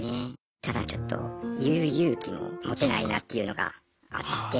ただちょっと言う勇気も持てないなっていうのがあって。